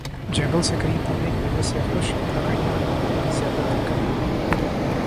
جنگل سے قریب ہونے کی وجہ سے خشک لکڑیاں ڈھونڈنے میں زیادہ دقت نہ ہوئی